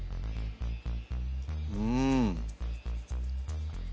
うん。